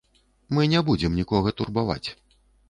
Мы не будзем нікога турбаваць.